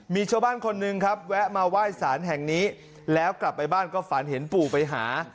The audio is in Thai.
มีชาวบ้านคนหนึ่งครับแวะมาไหว้สารแห่งนี้แล้วกลับไปบ้านก็ฝันเห็นปู่ไปหา